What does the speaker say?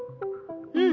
うん。